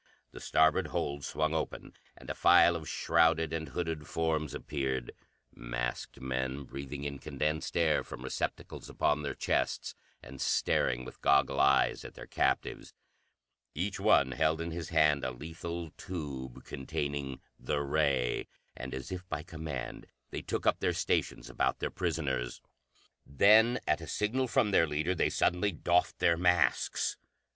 The starboard hold swung open, and a file of shrouded and hooded forms appeared, masked men, breathing in condensed air from receptacles upon their chests, and staring with goggle eyes at their captives. Each one held in his hand a lethal tube containing the ray, and, as if by command, they took up their stations about their prisoners. Then, at a signal from their leader, they suddenly doffed their masks.